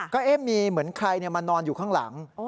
ก็มีเหมือนใครมานอนอยู่ข้างหลัง